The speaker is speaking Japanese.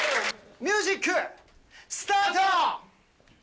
ミュージックスタート。